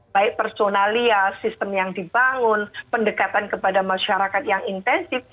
baik personalia sistem yang dibangun pendekatan kepada masyarakat yang intensif